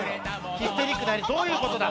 ヒステリックなどういうことだ？